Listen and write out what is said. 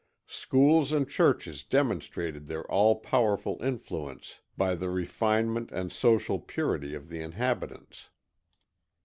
Schools and churches demonstrated their all powerful influence by the refinement and social purity of the inhabitants.